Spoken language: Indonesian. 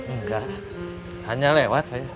enggak hanya lewat saja